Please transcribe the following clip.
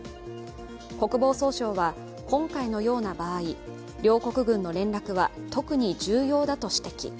国防総省は今回のような場合、両国軍の連絡は特に重要だと指摘。